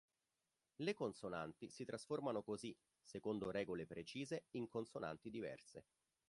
Le consonanti si trasformano così, secondo regole precise, in consonanti diverse.